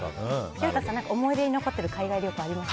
潮田さん、思い出に残っている海外旅行ありますか？